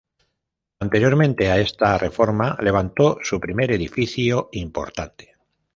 Anteriormente a esta reforma, levantó su primer edificio importante.